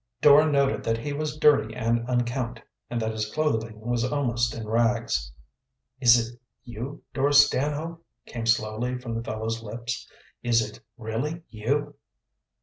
Dora noted that he was dirty and unkempt, and that his clothing was almost in rags. "Is it you, Dora Stanhope?" came slowly from the fellow's lips. "Is it really you?"